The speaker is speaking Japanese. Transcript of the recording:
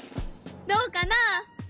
どうかな？